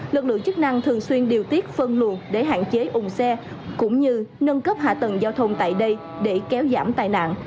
lực lượng chức năng thường xuyên điều tiết phân luồn để hạn chế ủng xe cũng như nâng cấp hạ tầng giao thông tại đây để kéo giảm tai nạn